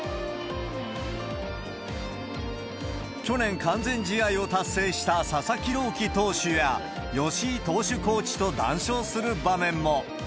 去年、完全試合を達成した佐々木朗希投手や、吉井投手コーチと談笑する場面も。